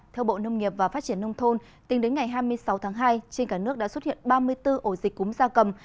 theo bộ nông nghiệp và phát triển nông thôn tính đến ngày hai mươi sáu tháng hai trên cả nước đã xuất hiện ba mươi bốn ổ dịch cúm gia cầm